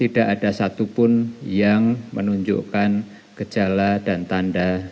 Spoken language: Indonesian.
untuk kesehatan lingkungan yang ada di dalam who